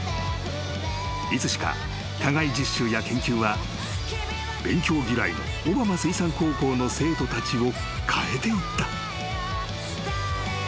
［いつしか課外実習や研究は勉強嫌いの小浜水産高校の生徒たちを変えていった］